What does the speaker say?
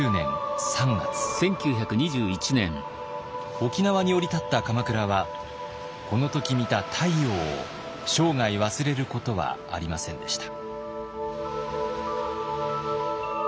沖縄に降り立った鎌倉はこの時見た太陽を生涯忘れることはありませんでした。